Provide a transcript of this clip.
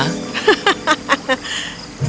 lalu pelayan berkata